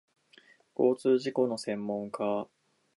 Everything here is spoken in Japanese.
交通事故の専門家